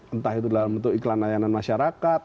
entah itu dalam bentuk iklan layanan masyarakat